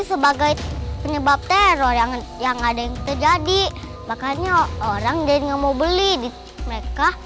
itu sebagai penyebab teror yang yang ada yang terjadi makanya orang dan mau beli di mereka